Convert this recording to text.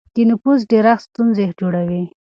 د نفوس ډېرښت ستونزې جوړوي.